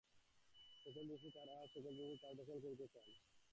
সকল জিনিসেই তাঁহার হাত, সকল জিনিসই তিনি নিজে দখল করিতে চান।